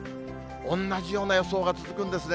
同じような予想が続くんですね。